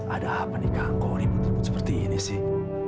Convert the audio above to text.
ada apa nih kang kok ribut ribut seperti ini sih